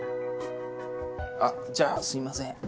じゃあすいません。